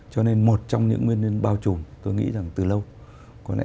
cho nên một trong những nguyên nhân bao trùm tôi nghĩ rằng từ lâu